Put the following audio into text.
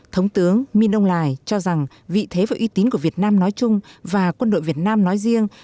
thống tướng minh âu lài cho rằng vị thế và uy tín của việt nam nói chung và quân đội việt nam nói riêng